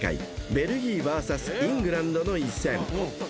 ［ベルギーＶＳイングランドの一戦］